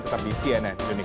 tetap di cnn indonesia